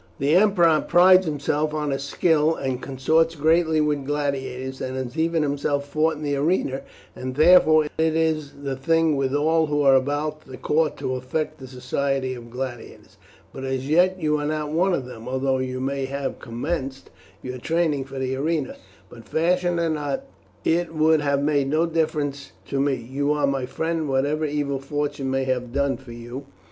The emperor prides himself on his skill, and consorts greatly with gladiators, and has even himself fought in the arena, and therefore it is the thing with all who are about the court to affect the society of gladiators. But as yet you are not one of them although you may have commenced your training for the arena. But fashion or not, it would have made no difference to me, you are my friend whatever evil fortune may have done for you.